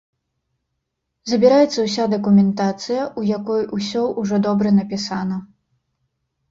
Забіраецца ўся дакументацыя, у якой усё ўжо добра напісана.